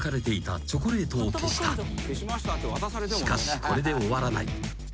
［しかしこれで終わらない］